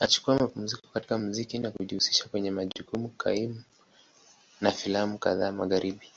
Alichukua mapumziko kutoka muziki na kujihusisha kwenye majukumu kaimu na filamu kadhaa Magharibi.